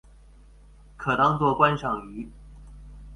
可当作观赏鱼。